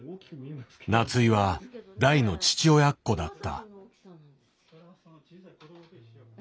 夏井は大の父親っ子だった。